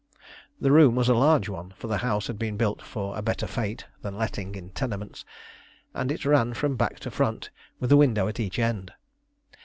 The room was a large one, for the house had been built for a better fate than letting in tenements, and it ran from back to front with a window at each end.